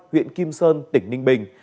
huyện kim sơn tỉnh ninh bình